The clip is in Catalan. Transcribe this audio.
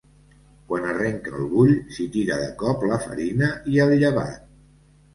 Quan arrenca el bull, s’hi tira de cop la farina i el llevat.